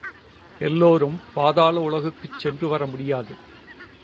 எல்லோரும் பாதாள உலகுக்குச் சென்று வர முடியாது.